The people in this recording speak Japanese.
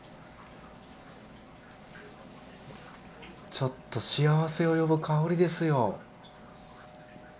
ちょっと幸せを呼ぶ香りですよ。